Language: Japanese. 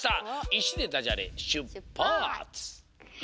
「いし」でダジャレしゅっぱつ！